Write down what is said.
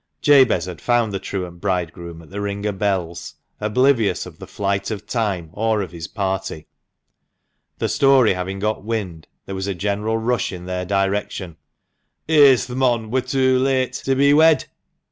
Jabez had found the truant bridegroom at the " Ring o' Bells," oblivious of the flight of time, or of his party. The story having got wind, there was a general rush in their direction. " Here's th' mon wur too late to be wed